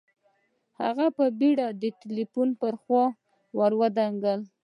هغه په بېړه د ټلیفون پر خوا را ودانګل